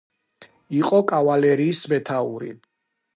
იყო კავალერიის მეთაური.